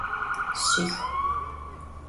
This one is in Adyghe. Şsix.